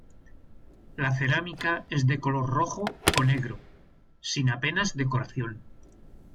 La cerámica es de color rojo o negro, sin apenas decoración.